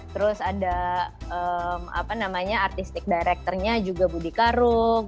terus ada artisik directornya juga budi karung